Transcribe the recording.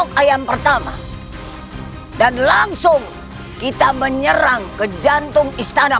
para telik sandi sudah ada di pajan istana